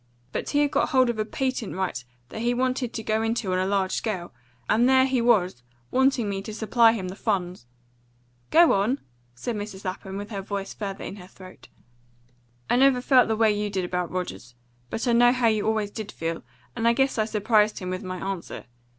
But he had got hold of a patent right that he wanted to go into on a large scale, and there he was wanting me to supply him the funds." "Go on!" said Mrs. Lapham, with her voice further in her throat. "I never felt the way you did about Rogers, but I know how you always did feel, and I guess I surprised him with my answer.